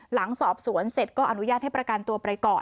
หลังสอบสวนเสร็จก็อนุญาตให้ประกันตัวไปก่อน